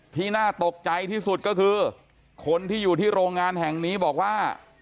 น่าตกใจที่สุดก็คือคนที่อยู่ที่โรงงานแห่งนี้บอกว่า